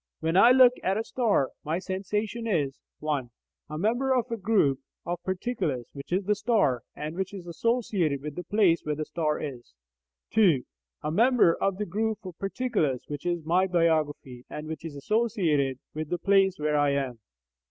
When I look at a star, my sensation is (1) A member of the group of particulars which is the star, and which is associated with the place where the star is; (2) A member of the group of particulars which is my biography, and which is associated with the place where I am.